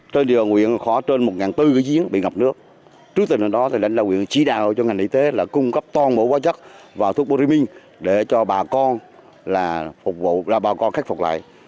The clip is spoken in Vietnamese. trên điều nguyện khóa trên một bốn trăm linh cái giếng bị ngập nước trước tình hình đó thì lãnh đạo nguyện chỉ đạo cho ngành y tế là cung cấp toàn bộ hóa chất và thuốc borimin để cho bà con khắc phục lại